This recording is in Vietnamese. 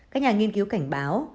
các nhà nghiên cứu cảnh báo